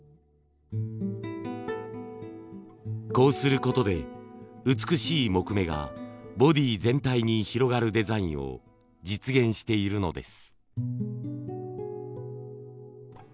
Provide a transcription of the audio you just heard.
こうすることで美しい木目がボディー全体に広がるデザインを実現しているのです。